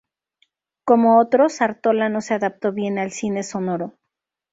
Como otros, Artola no se adaptó bien al cine sonoro.